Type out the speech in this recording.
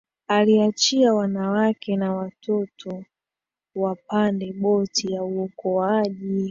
aliachia wanawake na watoto wapande boti ya uokoaji